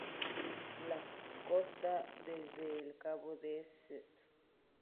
La costa desde el cabo de St.